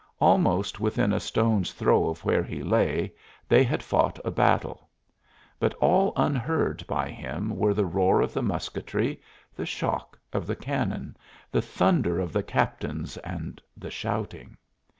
Almost within a stone's throw of where he lay they had fought a battle; but all unheard by him were the roar of the musketry, the shock of the cannon, "the thunder of the captains and the shouting."